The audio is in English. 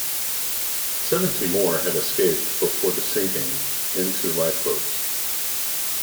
Seventy more had escaped before the sinking in two lifeboats.